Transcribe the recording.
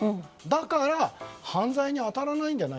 だから、犯罪に当たらないんじゃ